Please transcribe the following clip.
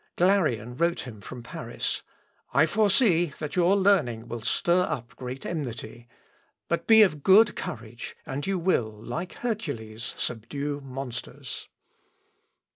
Glarean wrote him from Paris, "I foresee that your learning will stir up great enmity; but be of good courage, and you will, like Hercules, subdue monsters."